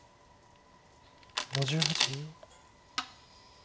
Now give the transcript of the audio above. ５８秒。